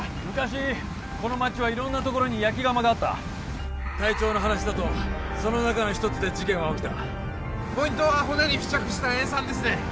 昔この町は色んなところに焼き窯があった隊長の話だとその中の一つで事件は起きたポイントは骨に付着した塩酸ですね